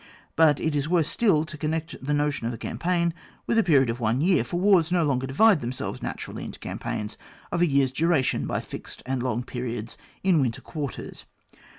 But it is worse still to connect the notion of a Campaign with the period of one year, for wars no longer divide themselves naturally into Campaigns of a year's duration by fixed and long periods in winter quarters.